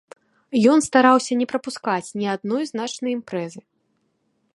Ён стараўся не прапускаць ні адной значнай імпрэзы.